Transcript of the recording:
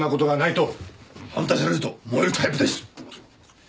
反対されると燃えるタイプです！